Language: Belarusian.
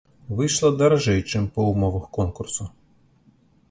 Выйшла даражэй, чым па ўмовах конкурсу.